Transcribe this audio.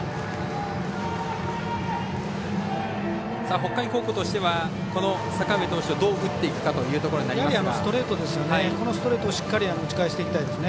北海高校としてはこの阪上投手をどう打っていくかというところにストレートですよね。